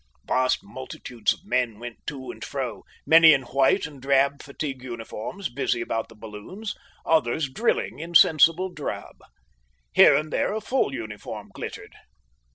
Vast multitudes of men went to and fro, many in white and drab fatigue uniforms busy about the balloons, others drilling in sensible drab. Here and there a full uniform glittered.